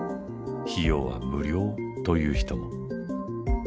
「費用は無料」という人も。